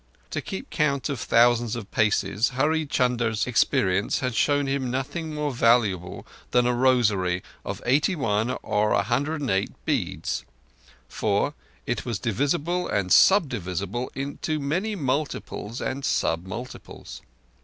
To keep count of thousands of paces, Hurree Chunder's experience had shown him nothing more valuable than a rosary of eighty one or a hundred and eight beads, for "it was divisible and sub divisible into many multiples and sub multiples".